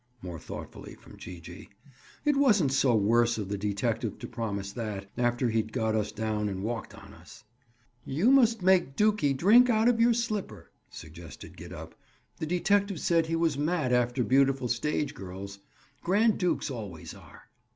More thoughtfully from Gee gee. "It wasn't so worse of the detective to promise that, after he'd got us down and walked on us." "You must make dukie drink out of your slipper," suggested Gid up. "The detective said he was mad after beautiful stage girls. Grand dukes always are."